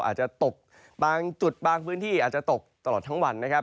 อาจจะตกบางจุดบางพื้นที่อาจจะตกตลอดทั้งวันนะครับ